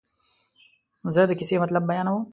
زه د کیسې مطلب بیانوم.